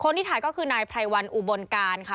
คนที่ถ่ายก็คือนายพระยวัลอูบนการค่ะ